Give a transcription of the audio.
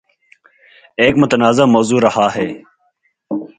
ایک متنازعہ موضوع رہا ہے